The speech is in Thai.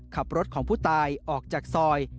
ขับรถของผู้ตายออกจากซอย